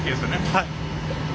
はい。